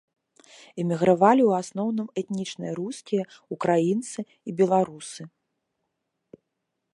Эмігравалі ў асноўным этнічныя рускія, украінцы і беларусы.